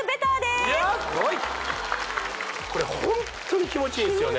すごいこれホントに気持ちいいんですよね